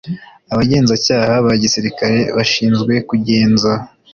abagenzacyaha ba gisirikare bashinzwe kugenza